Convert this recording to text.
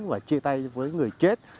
và chia tay với người chết